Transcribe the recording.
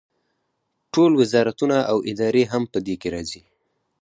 ټول وزارتونه او ادارې هم په دې کې راځي.